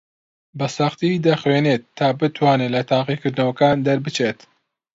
بەسەختی دەخوێنێت تا بتوانێت لە تاقیکردنەوەکان دەربچێت.